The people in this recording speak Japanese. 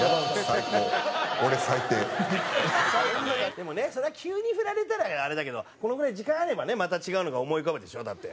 でもねそれは急に振られたらあれだけどこのぐらい時間あればねまた違うのが思い浮かぶでしょだって。